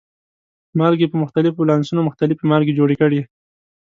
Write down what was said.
مالګې په مختلفو ولانسونو مختلفې مالګې جوړې کړي.